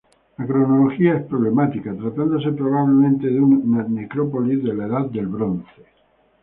La cronología es problemática, tratándose probablemente de una necrópolis de la Edad del Bronce.